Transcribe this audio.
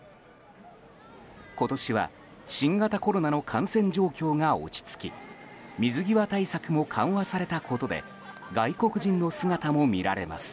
今年は新型コロナの感染状況が落ち着き水際対策も緩和されたことで外国人の姿も見られます。